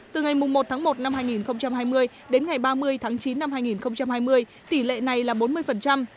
từ ngày một tháng một năm hai nghìn hai mươi đến ngày ba mươi tháng chín năm hai nghìn hai mươi tỷ lệ này là bốn mươi